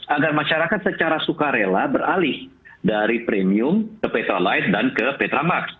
agar masyarakat secara sukarela beralih dari premium ke petrolite dan ke petramax